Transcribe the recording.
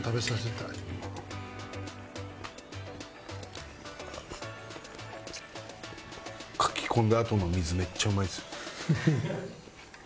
かき込んだあとの水めっちゃうまいっすよ。